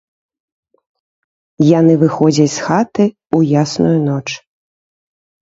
Яны выходзяць з хаты, у ясную ноч.